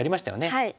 はい。